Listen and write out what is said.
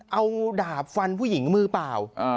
เอาดาบฟันผู้หญิงมือเปล่า